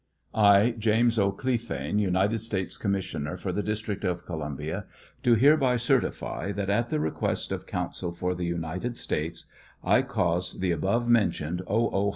I, James O. Clephane, United States Commissioner for the District of Columbia, do hereby certify that at the request of Counsel for the United States, I caused 71 the above mentioned O. O.